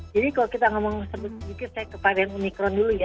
jadi kalau kita ngomong sedikit kepadanya mikron dulu ya